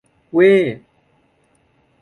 เว้ !